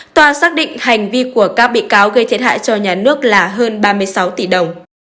tòa xác định hành vi của các bị cáo gây thiệt hại cho nhà nước là hơn ba mươi sáu tỷ đồng